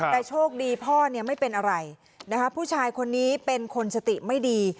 แต่โชคดีพ่อเนี่ยไม่เป็นอะไรนะคะผู้ชายคนนี้เป็นคนสติไม่ดี